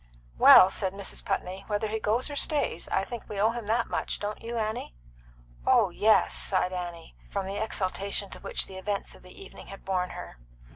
"Well," said Mrs. Putney, "whether he goes or stays, I think we owe him that much. Don't you, Annie?" "Oh yes!" sighed Annie, from the exaltation to which the events of the evening had borne her.